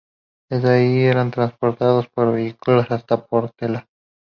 Desde ahí, eran transportados por vehículo hasta Portela.